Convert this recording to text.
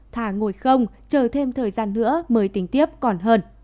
thả ngồi không chờ thêm thời gian nữa mới tính tiếp còn hơn